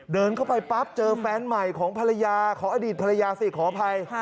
เดินเข้าไปปั๊บเจอแฟนใหม่ของอดีตพลยาสิขออภัย